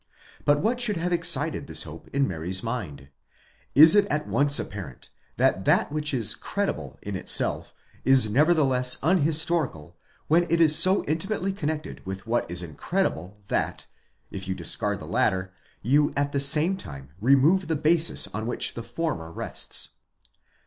But what should have excited this hope in Mary's mind? It is at once apparent that that which is credible in itself is nevertheless unhistorical when it is so inti mately connected with what is incredible that, if you discard the latter, you at the same time remove the basis on which the former rests..